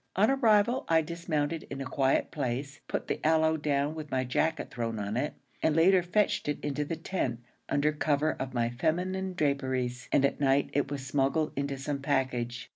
On arrival, I dismounted in a quiet place, put the aloe down with my jacket thrown on it, and later fetched it into the tent, under cover of my feminine draperies, and at night it was smuggled into some package.